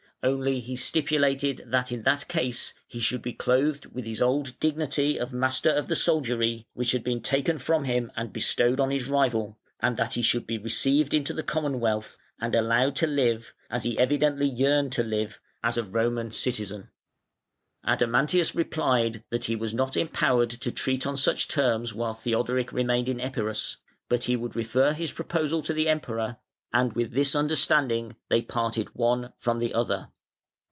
Only he stipulated that in that case he should be clothed with his old dignity of Master of the Soldiery, which had been taken from him and bestowed on his rival, and that he should be received into the Commonwealth and allowed to live as he evidently yearned to live as a Roman citizen. Adamantius replied that he was not empowered to treat on such terms while Theodoric remained in Epirus, but he would refer his proposal to the Emperor, and with this understanding they parted one from the other.